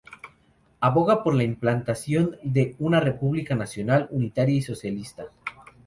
Aboga por la implantación de una república nacional, unitaria y socialista.